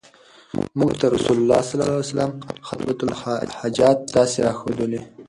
مونږ ته رسول الله صلی الله عليه وسلم خُطْبَةَ الْحَاجَة داسي را ښودلي